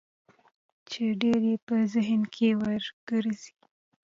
چې ډېر يې په ذهن کې ورګرځي.